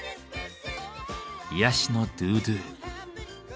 癒やしのドゥドゥ。